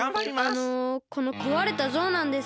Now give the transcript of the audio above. あのこのこわれたぞうなんですけど。